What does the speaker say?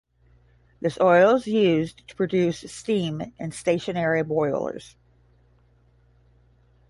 This oil is used to produce steam in stationary boilers.